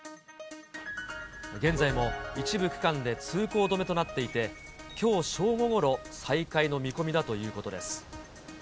現在も一部区間で通行止めとなっていて、きょう正午ごろ、再開の見込みだということです。